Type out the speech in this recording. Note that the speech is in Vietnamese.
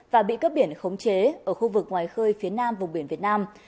và bị cấp biển khống chế ở khu vực ngoài khơi phía nam vùng biển việt nam